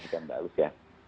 dan bagus ya